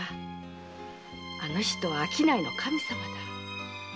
あの人は商いの神様だ。